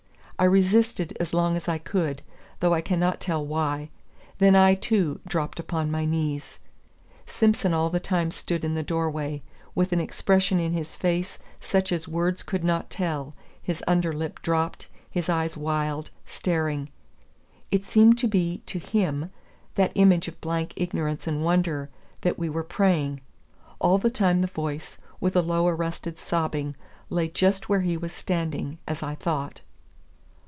I resisted as long as I could, though I cannot tell why; then I, too, dropped upon my knees. Simson all the time stood in the door way, with an expression in his face such as words could not tell, his under lip dropped, his eyes wild, staring. It seemed to be to him, that image of blank ignorance and wonder, that we were praying. All the time the voice, with a low arrested sobbing, lay just where he was standing, as I thought.